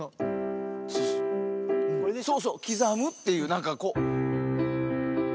そうそう刻むっていうなんかこう。